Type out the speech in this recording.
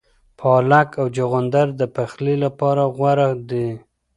پالک او چغندر د پخلي لپاره غوره دي.